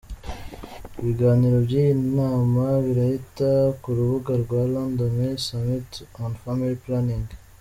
Ibiganiro by’iyi nama birahita ku rubuga rwa "The London Summit on Family Planning".